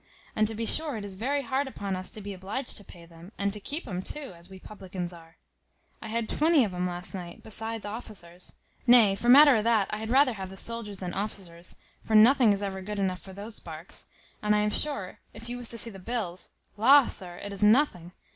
And to be sure it is very hard upon us to be obliged to pay them, and to keep 'um too, as we publicans are. I had twenty of 'um last night, besides officers: nay, for matter o' that, I had rather have the soldiers than officers: for nothing is ever good enough for those sparks; and I am sure, if you was to see the bills; la! sir, it is nothing.